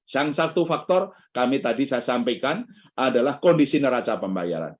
yang satu faktor kami tadi saya sampaikan adalah kondisi neraca pembayaran